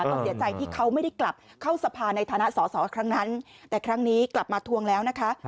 ก็เสียใจที่เขาไม่ได้กลับเข้าสภาในฐานะสอสอครั้งนั้นแต่ครั้งนี้กลับมาทวงแล้วนะคะ